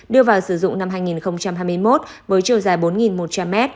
đưa vào sử dụng năm hai nghìn hai mươi một với chiều dài bốn một trăm linh m